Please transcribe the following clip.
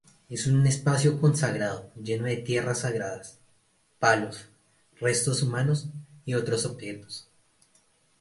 Es un espacio consagrado lleno de tierra sagrada, palos, restos humanos y otros objetos.